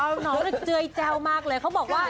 น้องเจ้าเจ้ามากเลยเขาบอกว่า